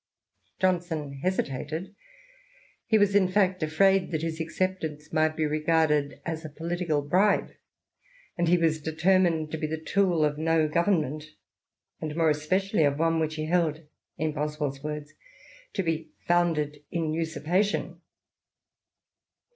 Johnson hesitated ; he was, in fact^ afraid that his acceptance might be regarded as a political bribe, and he was determined to be the tool of no government, and more especially of one which he held, in BoswelFs words, to be "founded in usurpation."